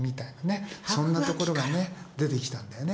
そんなところがね出てきたんだよね。